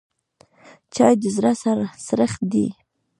چای د زړه سړښت دی